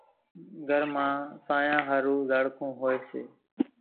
گھران مان سانيا ۿارُو زاڙکان هوئيَ سي۔